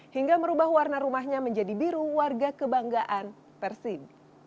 hingga merubah warna rumahnya menjadi biru warga kebanggaan persib